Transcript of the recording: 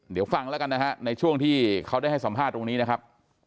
เดี๋ยวฟังแล้วกันนะฮะในช่วงที่เขาได้ให้สัมภาษณ์ตรงนี้นะครับ